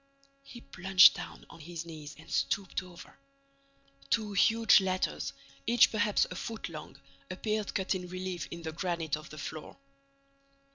He plunged down on his knees and stooped over. Two huge letters, each perhaps a foot long, appeared cut in relief in the granite of the floor.